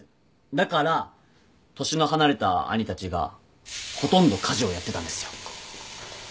だから年の離れた兄たちがほとんど家事をやってたんですよ。